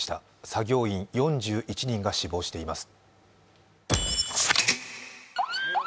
作業員４１人が死亡しています。